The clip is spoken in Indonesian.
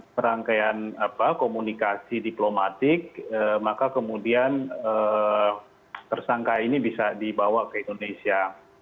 serangkaian komunikasi diplomatik maka kemudian tersangka ini bisa dibawa ke indonesia